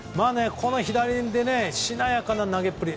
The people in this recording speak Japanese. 左でしなやかな投げっぷり。